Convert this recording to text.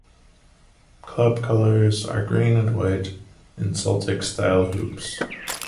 Club colours are green and white in Celtic-style hoops.